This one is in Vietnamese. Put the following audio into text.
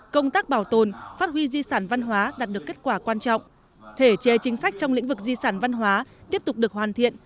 công tác bảo tồn phát huy di sản văn hóa đạt được kết quả quan trọng thể chế chính sách trong lĩnh vực di sản văn hóa tiếp tục được hoàn thiện